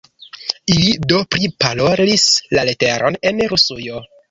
Ili do priparolis la leteron el Rusujo.